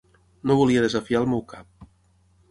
No volia desafiar al meu cap.